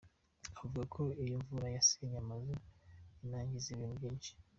Avuga ko iyo mvura yasenye amazu inangiza ibintu byinshi.